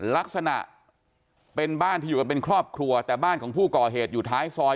ลักษณะเป็นบ้านที่อยู่กันเป็นครอบครัวแต่บ้านของผู้ก่อเหตุอยู่ท้ายซอย